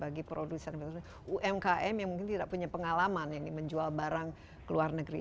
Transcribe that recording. bagi produsen umkm yang mungkin tidak punya pengalaman yang menjual barang ke luar negeri